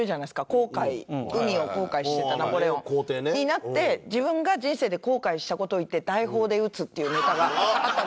航海海を航海してたナポレオンになって自分が人生で後悔した事を言って大砲で撃つっていうネタがあったんですけど。